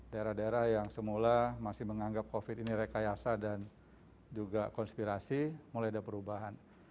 daerah daerah yang semula masih menganggap covid ini rekayasa dan juga konspirasi mulai ada perubahan